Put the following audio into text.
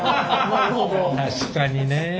確かにね。